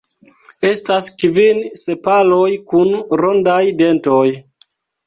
Estas kvin sepaloj kun rondaj dentoj.